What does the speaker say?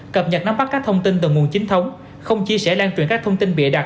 cập nhật nắm bắt các thông tin từ nguồn chính thống không chia sẻ lan truyền các thông tin bịa đặt